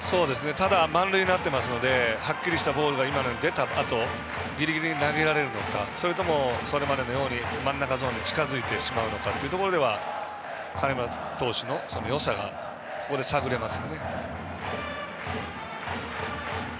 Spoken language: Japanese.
ただ、満塁になっていますのではっきりしたボールが今のように出たあとギリギリに投げられるのかそれともこれまでのように真ん中ゾーンに近づいてしまうのかというところでは金村投手のよさがここで探れます。